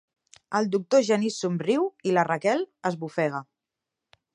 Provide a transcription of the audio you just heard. El doctor Genís somriu i la Raquel esbufega.